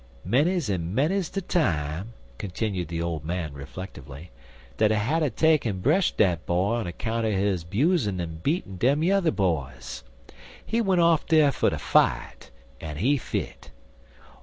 Many's en many's de time," continued the old man, reflectively, "dat I hatter take'n bresh dat boy on a counter his 'buzin' en beatin' dem yuther boys. He went off dar fer ter fight, en he fit.